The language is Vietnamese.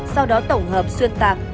sau đó tổng hợp xuyên tạc